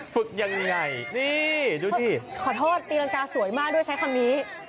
ฝึกยังไงนี่ดูดิขอโทษตีรังกาสวยมากด้วยใช้คำนี้